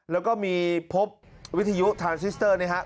แล้วก็มีพบวิทยุทานซิสเตอร์นะครับ